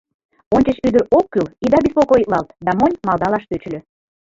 Ончыч ӱдыр «ок кӱл», «ида беспокоитлалт» да монь малдалаш тӧчыльӧ.